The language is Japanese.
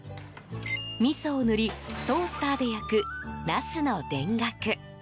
みそを塗り、トースターで焼くナスの田楽。